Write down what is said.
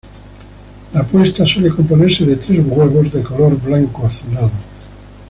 La puesta suele componerse de tres huevos, de color blanco azulado.